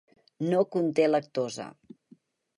No conté lactosa.